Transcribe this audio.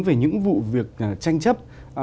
về những vụ việc tranh chấp